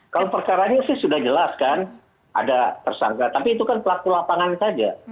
kalau perkaranya sih sudah jelas kan ada tersangka tapi itu kan pelaku lapangan saja